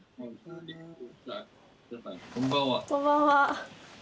こんばんは。